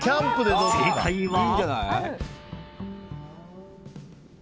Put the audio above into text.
正解は。